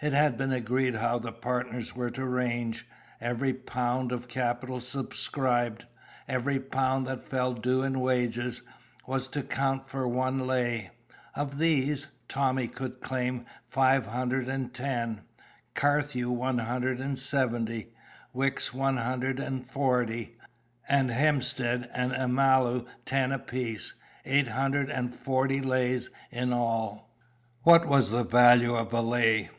It had been agreed how the partners were to range; every pound of capital subscribed, every pound that fell due in wages, was to count for one "lay." Of these, Tommy could claim five hundred and ten, Carthew one hundred and seventy, Wicks one hundred and forty, and Hemstead and Amalu ten apiece: eight hundred and forty "lays" in all. What was the value of a lay?